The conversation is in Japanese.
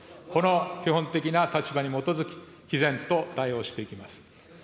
この基本的な立場に基づき、きぜんと対応していきます。